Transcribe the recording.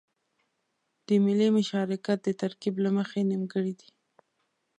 د ملي مشارکت د ترکيب له مخې نيمګړی دی.